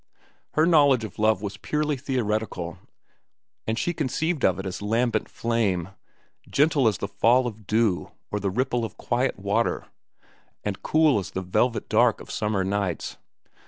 Her knowledge of love was purely theoretical, and she conceived of it as lambent flame, gentle as the fall of dew or the ripple of quiet water, and cool as the velvet dark of summer nights.